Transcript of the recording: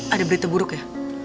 ada berita buruk ya